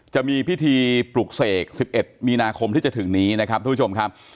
จะมีพิธีปลุกเสก๑๑มีนาคมที่จะถึงนี้นะครับทุกผู้ชมครับ